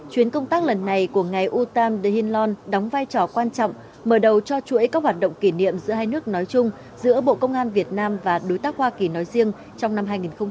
chuyến công tác lần này của ngày u ba the hien lon đóng vai trò quan trọng mở đầu cho chuỗi các hoạt động kỷ niệm giữa hai nước nói chung giữa bộ công an việt nam và đối tác hoa kỳ nói riêng trong năm hai nghìn hai mươi